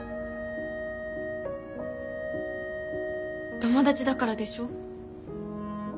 友達だからでしょ。